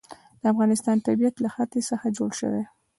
د افغانستان طبیعت له ښتې څخه جوړ شوی دی.